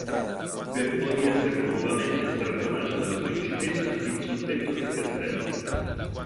Per poi essere nuovamente strattonato dalla principessa fin sul tetto del castello.